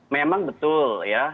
memang betul ya